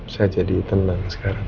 saya jadi tenang sekarang